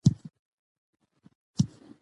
د ولس غوښتنې د مشروعیت ساتنې لپاره مهمې دي